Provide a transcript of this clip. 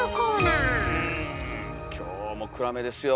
今日も暗めですよ